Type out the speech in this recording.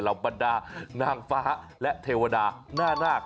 ของบรรดานางฟ้าและเทวดาน่า